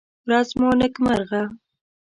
ورڅ مو نېکمرغه!